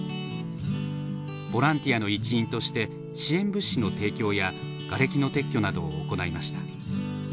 ボランティアの一員として支援物資の提供やがれきの撤去などを行いました。